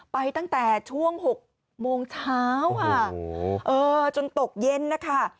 ไปตั้งแต่ช่วง๖โมงเช้าค่ะจนตกเย็นนะคะ